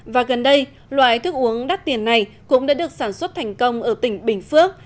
và gần đây loại thức uống đắt tiền này cũng đã được sản xuất thành công ở tỉnh bình phước